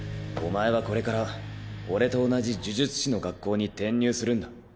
お前はこれから俺と同じ呪術師の学校に転入するんだ。